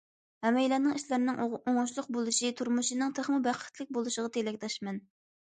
ھەممەيلەننىڭ ئىشلىرىنىڭ ئوڭۇشلۇق بولۇشى، تۇرمۇشىنىڭ تېخىمۇ بەختلىك بولۇشىغا تىلەكداشمەن!